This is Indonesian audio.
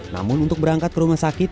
namun untuk berangkat ke rumah sakit